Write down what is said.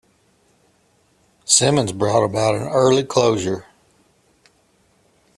Simmons brought about an early closure..